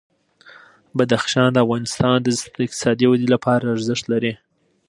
بدخشان د افغانستان د اقتصادي ودې لپاره ارزښت لري.